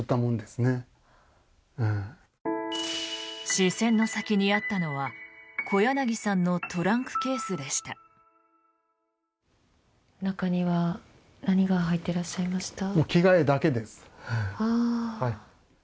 視線の先にあったのは小柳さんのトランクケースでした。